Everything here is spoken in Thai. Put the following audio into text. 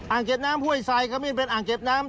เก็บน้ำห้วยไซขมิ้นเป็นอ่างเก็บน้ำ